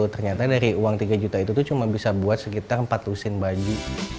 ternyata dari uang tiga juta itu tuh cuma bisa buat sekitar empat lusin baju